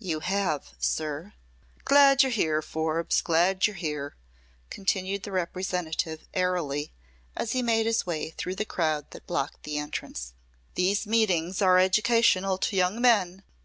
"You have, sir." "Glad you're here, Forbes; glad you're here," continued the Representative, airily, as he made his way through the crowd that blocked the entrance. "These meetings are educational to young men.